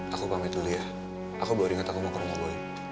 aku pamit dulu ya aku boleh ingat aku mau ke rumah gue